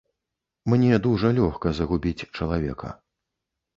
Мне дужа лёгка загубіць чалавека.